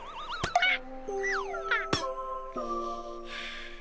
あっ！